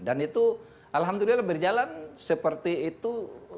dan itu alhamdulillah berjalan seperti itu